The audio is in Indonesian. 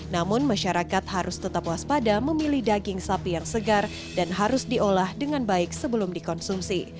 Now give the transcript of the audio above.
namun masyarakat harus tetap waspada memilih daging sapi yang segar dan harus diolah dengan baik sebelum dikonsumsi